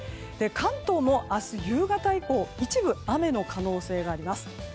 関東も明日夕方以降一部雨の可能性があります。